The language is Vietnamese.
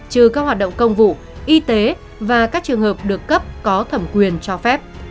trừ các hoạt động công vụ y tế và các trường hợp được cấp có thẩm quyền cho phép